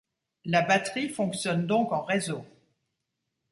La batterie fonctionne donc en réseau.